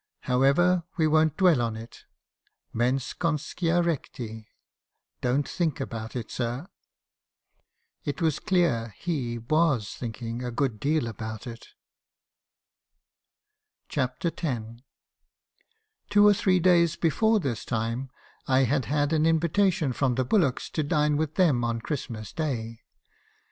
However, we won't dwell on it. Mens conscia recti! Don't think about it, sir.' "It was clear he was thinking a good deal about it. CHAPTER X. "Two or three days before this time, I had had an invitation from the Bullocks to dine with them on Christmas day.